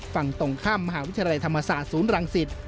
ฝั่งตรงข้ามมหาวิทยาลัยธรรมศาสตร์ศูนย์รังสิต